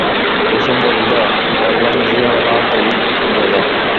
কুসুম বলিল, বললাম যেও না, তবু গেল।